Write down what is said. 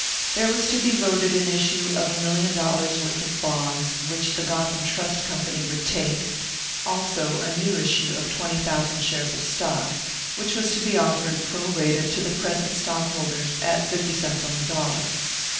There was to be voted an issue of a million dollars' worth of bonds, which the Gotham Trust Company would take; also a new issue of twenty thousand shares of stock, which was to be offered pro rata to the present stock holders at fifty cents on the dollar.